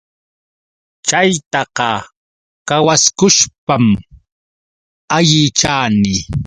Chaytaqa qawaykushpam allichani.